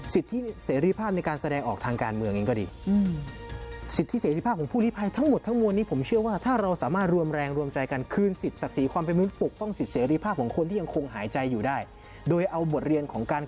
สิทธิเสรีภาพในการแสดงออกทางการเมืองเองก็ดี